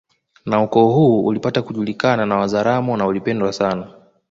Na ukoo huu ulipata kujulikana na Wazaramo na ulipendwa sana